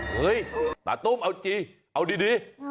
เฮ้ยตาตุ้มเอาดี